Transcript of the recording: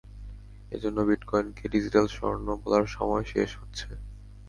এজন্য বিটকয়েনকে ডিজিটাল স্বর্ণ বলার সময় শেষ হচ্ছে।